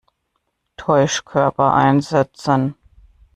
Täuschkörper einsetzen!